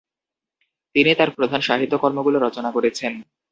তিনি তার প্রধান সাহিত্য কর্মগুলো রচনা করেছেন।